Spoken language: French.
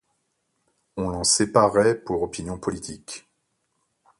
On l'en séparait pour opinion politique.